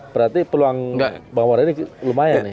berarti peluang pak mwardhani ini lumayan nih